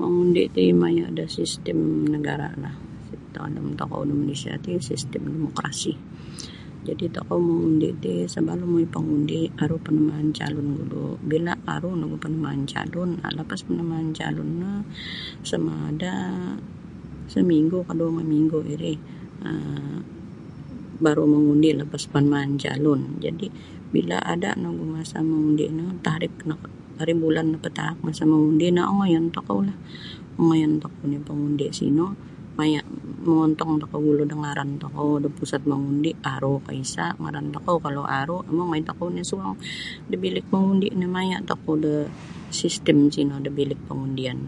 Mangundi ti maya da sistem negara lah dalam tokou da Malaysia ti sistem demokrasi jadi tokou mangundi ti sabalum mongoi pangundi mangundi aru panamaan calun gulu bila aru nogu panamaan calun um lapas panamaan calun no samaada saminggu ka dua minggu iri[um] baru mangundi lapas panamaan calun jadi bila ada no gu masa mangundi no tarikh no aribulan napataak masa mangundi no ongoion tokou lah ongoion tokou mongoi mangundi sino maya mongontong gulu da ngaran tokou da pusat mangundi aru ka isa ngaran tokou kalau aru mongoi tokou suang da bilik mangundi no maya tokou da sistem sino da bilik pangundian.